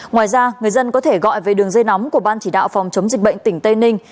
ngoài ra người dân có thể gọi về đường dây nóng của ban chỉ đạo phòng chống dịch bệnh tỉnh tây ninh